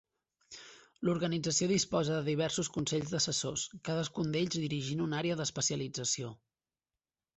L'organització disposa de diversos consells d'assessors, cadascun d'ells dirigint una àrea d'especialització.